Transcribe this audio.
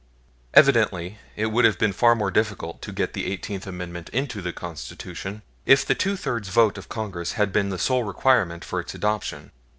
Evidently, it would have been far more difficult to get the Eighteenth Amendment into the Constitution if the two thirds vote of Congress had been the sole requirement for its adoption.